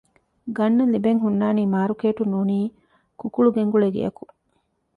ގަންނަން ލިބެން ހުންނާނީ މާރުކޭޓުން ނޫނީ ކުކުޅު ގެންގުޅޭ ގެއަކުން